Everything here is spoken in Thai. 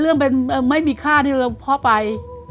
เรื่องเป็นไม่มีค่าที่พ่อไป